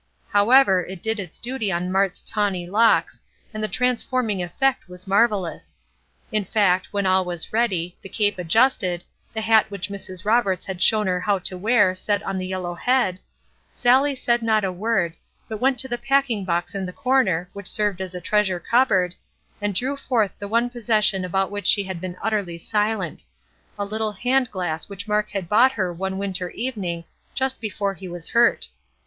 However, it did its duty on Mart's tawny locks, and the transforming effect was marvellous. In fact, when all was ready, the cape adjusted, the hat which Mrs. Roberts had shown her how to wear set on the yellow head, Sallie said not a word, but went to the packing box in the corner which served as a treasure cupboard, and drew forth the one possession about which she had been utterly silent a little hand glass which Mark had brought her one winter evening just before he was hurt.